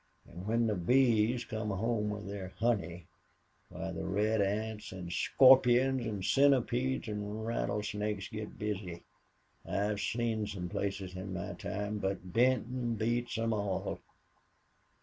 "An' when the bees come home with their honey, why, the red ants an' scorpions an' centipedes an' rattlesnakes git busy. I've seen some places in my time, but Benton beats 'em all....